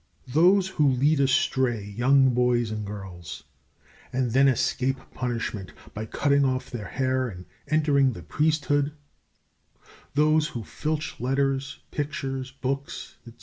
Those who lead astray young boys and girls, and then escape punishment by cutting off their hair and entering the priesthood; those who filch letters, pictures, books, etc.